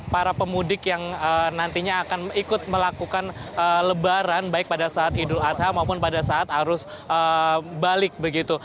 para pemudik yang nantinya akan ikut melakukan lebaran baik pada saat idul adha maupun pada saat arus balik begitu